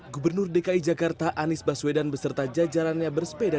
gubernur dki jakarta anies baswedan beserta jajarannya bersepeda